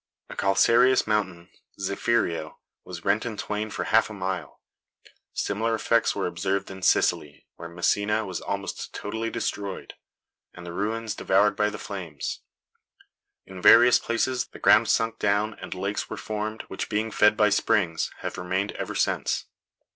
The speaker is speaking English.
A calcareous mountain, Zefirio, was rent in twain for half a mile. Similar effects were observed in Sicily, where Messina was almost totally destroyed, and the ruins devoured by the flames. "In various places the ground sunk down, and lakes were formed, which, being fed by springs, have remained ever since.